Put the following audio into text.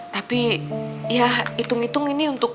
tapi ya hitung hitung ini untuk